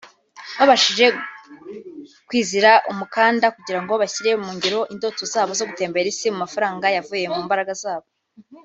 Babashije kwizira umukanda kugirango bashyire mu ngiro indoto zabo zo gutembera isi mu mafaranga yavuye mu mbaraga zabo